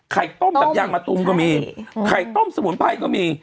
ไข่ต้มจับอย่างมาตรงก็มีไข่ต้มสมุนไพรก็มี